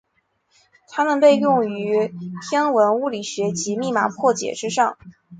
它们被用于天文物理学及密码破解之上。